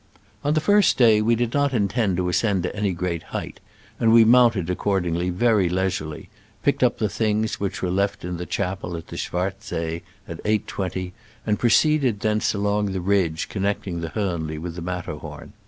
On the first day we did not intend to ascend to any great height, and we mounted, accordingly, very leisurely, picked up the things which were left in the chapel at the Schwarzsee at 8.20, and proceeded thence along the ridge connecting the Hornli with the Matter horn.